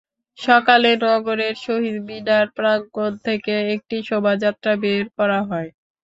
সকালে নগরের শহীদ মিনার প্রাঙ্গণ থেকে একটি শোভাযাত্রা বের করা হয়।